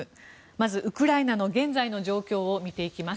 まずウクライナの現在の状況を見ていきます。